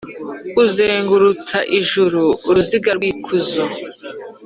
uzengurutsa ijuru uruziga rw’ikuzo,